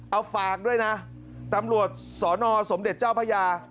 เอาฝากด้วยนะตำรวจสนสมเด็จเจ้าพระยา